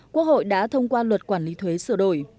quốc hội đã thông qua luật quản lý thuế sửa đổi